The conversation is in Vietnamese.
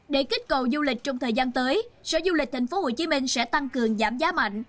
để kích cầu du lịch trong thời gian tới sở du lịch tp hcm sẽ tăng cường giảm giá mạnh